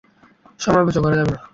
সময় অপচয় করা যাবে না।